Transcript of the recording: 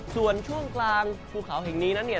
ส่วนช่วงกลางภูเฉาเห็นนี้